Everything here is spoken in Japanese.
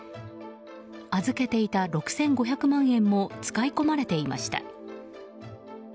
預けていた６５００万円も使い込まれていました。